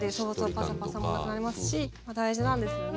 パサパサもなくなりますし大事なんですよね。